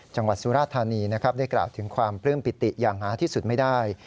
สุราธานีนะครับได้กล่าวถึงความปลื้มปิติอย่างหาที่สุดไม่ได้